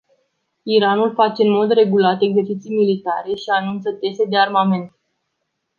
Iranul face în mod regulat exerciții militare și anunță teste de armament.